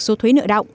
số thuế nợ động